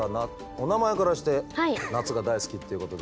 お名前からして夏が大好きっていうことで。